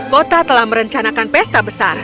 kota telah merencanakan pesta besar